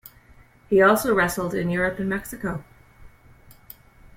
He also wrestled in Europe and Mexico.